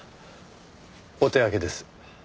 お手上げです。